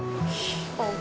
ssh mau gak